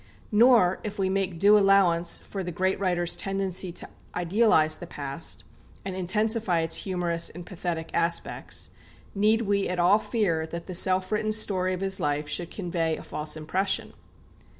Nor, if we make due allowance for the great writer's tendency to idealize the past, and intensify its humorous and pathetic aspects, need we at all fear that the self written story of his life should convey a false impression.